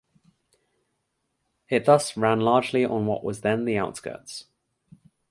It thus ran largely on what was then the outskirts.